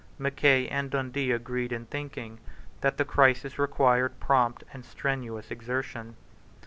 Mackay and Dundee agreed in thinking that the crisis required prompt and strenuous exertion.